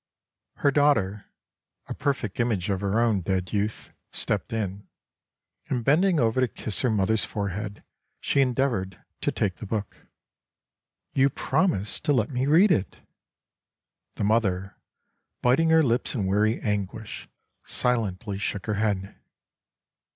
Her daughter, a perfect image of her own dead youth, stepped in, and bending over to kiss her mother's fore head she endeavored to take the book. " You promised to let me read it." The mother, biting her lips in weary anguish, silently shook her head.